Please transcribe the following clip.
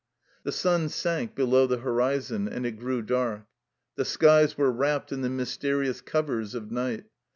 The sun sank below the horizon, and it grew dark. The skies were wrapped in the mysterious covers of night.